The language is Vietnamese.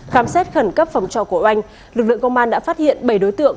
khám xét khẩn cấp phòng trọ của oanh lực lượng công an đã phát hiện bảy đối tượng